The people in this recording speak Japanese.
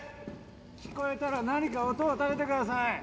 聞こえたら何か音を立ててください